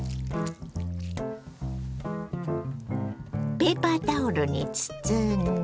ペーパータオルに包んで。